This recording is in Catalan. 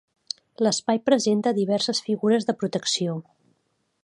L’espai presenta diverses figures de protecció.